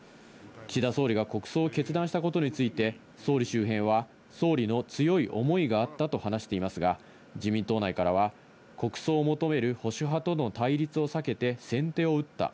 岸田総理が国葬を決断したことについて総理周辺は、総理の強い思いがあったと話していますが、自民党内からは国葬を求める保守派との対立を避けて先手を打った。